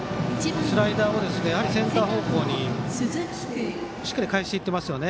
スライダーをセンター方向にしっかり返していってますよね。